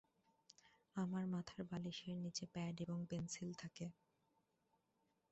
আমার মাথার বালিশের নিচে প্যাড এবং পেনসিল থাকে।